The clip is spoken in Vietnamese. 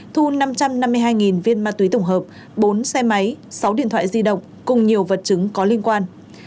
thu năm trăm năm mươi hai viên ma túy tổng hợp bốn xe máy sáu điện thoại di động cùng nhiều vật chứng có liên quan